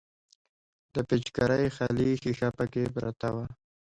د پيچکارۍ خالي ښيښه پکښې پرته وه.